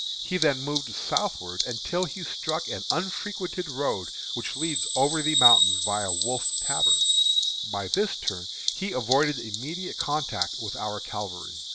He then moved southward until he struck an unfrequented road which leads over the mountain viâ Wolfe's Tavern. By this turn he avoided immediate contact with our cavalry.